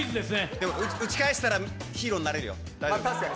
でも打ち返したらヒーローになれるよ。